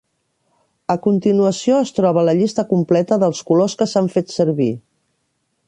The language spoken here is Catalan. A continuació es troba la llista completa dels colors que s'han fet servir.